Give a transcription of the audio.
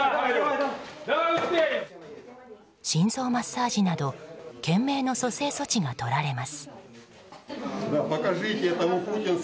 心臓マッサージなど懸命の蘇生措置がとられます。